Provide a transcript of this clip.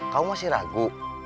kamu masih ragu